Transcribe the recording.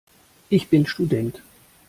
Ich bin Student.